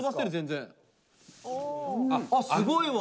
すごいわ！